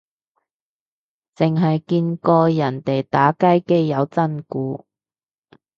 剩係見過人哋打街機有真鼓